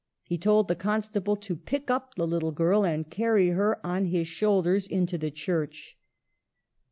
He told the Constable to pick up the little girl and carry her on his shoulders into the church.